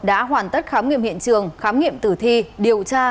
đã hoàn tất khám nghiệm hiện trường khám nghiệm tử thi điều tra